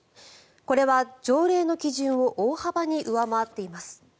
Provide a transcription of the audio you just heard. これは条例の基準を大幅に上回っています。